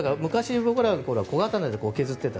僕らが小さい頃は小刀で削っていた。